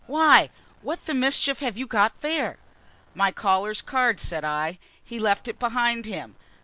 "Why, what the mischief have you got there?" "My caller's card," said I. "He left it behind him.